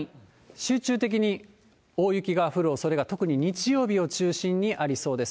集中的に大雪が降るおそれが、特に日曜日を中心にありそうです。